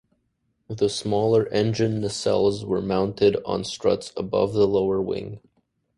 The smaller engine nacelles were mounted on struts above the lower wing.